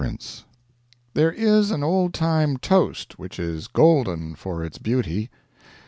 There is an old time toast which is golden for its beauty.